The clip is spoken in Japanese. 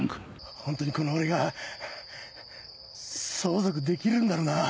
ホントにこの俺が相続できるんだろうな！？